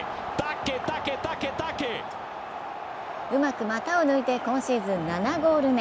うまく股を抜いて今シーズン７ゴール目。